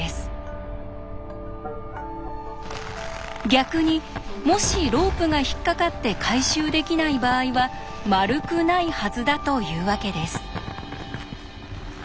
逆にもしロープが引っ掛かって回収できない場合は丸くないはずだというわけです。